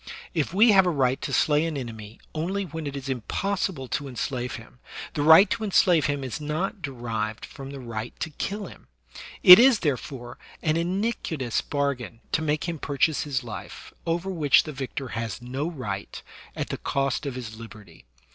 If we have a right to slay an enemy only when it is impossible to enslave him, the right to enslave him is not derived from the right to kill him; it is, therefore, an iniquitous bar gain to make him purchase his life, over which the victor has no right, at the cost of his liberty.